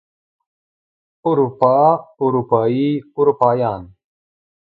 اروپا اروپايي اروپايان